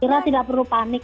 kita tidak perlu panik